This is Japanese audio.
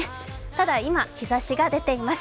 ただ今、日ざしが出ています。